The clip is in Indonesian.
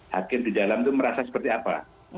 hakim di dalam itu merasa seperti apa